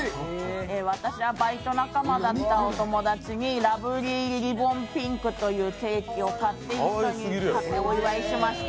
私はバイト仲間だったお友達にラブリーリボンピンクというケーキを買って一緒にお祝いしました。